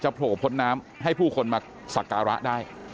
จะโผล่พลน้ำให้ผู้คนมาศักรร้าได้